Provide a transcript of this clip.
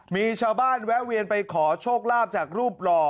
มีชาวบ้านแวะเวียนไปขอโชคลาภจากรูปหล่อ